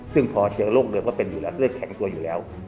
ซึ่งพอเจอโรคเดิมก็เป็นอยู่แล้วเลือดแข็งตัวอยู่แล้ว